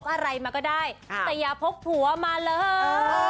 อะไรมาก็ได้แต่อย่าพกผัวมาเลย